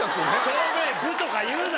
照明部とか言うな。